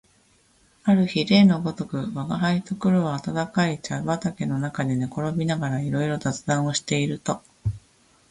ある日例のごとく吾輩と黒は暖かい茶畠の中で寝転びながらいろいろ雑談をしていると、